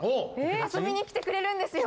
遊びに来てくれるんですよ。